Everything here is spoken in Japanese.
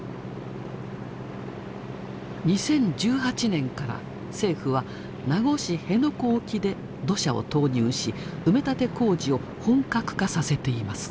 ２０１８年から政府は名護市辺野古沖で土砂を投入し埋め立て工事を本格化させています。